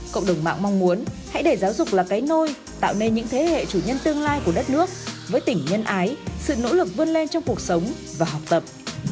cộng đồng mạng mong muốn hãy để giáo dục là cái nôi tạo nên những thế hệ chủ nhân tương lai của đất nước với tỉnh nhân ái sự nỗ lực vươn lên trong cuộc sống và học tập